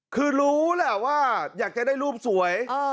คือรู้แหละว่าอยากจะได้รูปสวย